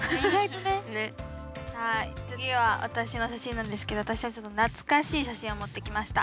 次は私の写真なんですけど私たちの懐かしい写真を持ってきました。